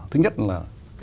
thứ nhất là